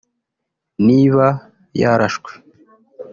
Niba yarashwe